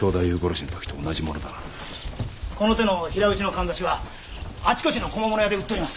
この手の平打ちの釵はあちこちの小間物屋で売っております。